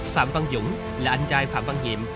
phạm văn dũng là anh trai phạm văn nhiệm